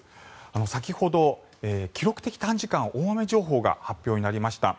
先ほど記録的短時間大雨情報が発表になりました。